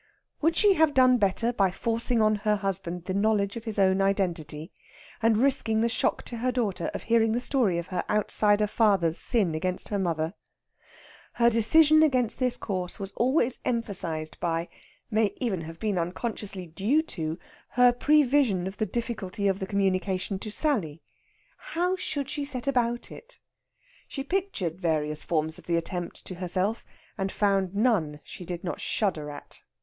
Would she have done better by forcing on her husband the knowledge of his own identity, and risking the shock to her daughter of hearing the story of her outsider father's sin against her mother? Her decision against this course was always emphasized by may even have been unconsciously due to her prevision of the difficulty of the communication to Sally. How should she set about it? She pictured various forms of the attempt to herself, and found none she did not shudder at.